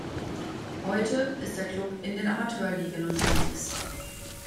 Heute ist der Club in den Amateurligen unterwegs.